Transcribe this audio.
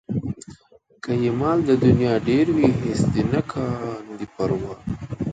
که یې مال د نيا ډېر وي هېڅ دې نه کاندي پروا